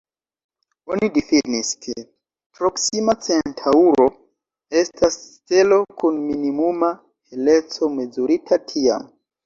Oni difinis, ke Proksima Centaŭro estas stelo kun minimuma heleco mezurita tiam.